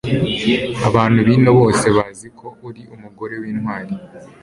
abantu b'ino bose bazi ko uri umugore w'intwari